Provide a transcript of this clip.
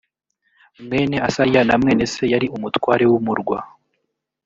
mwene asaliya na mwene se yari umutware w umurwa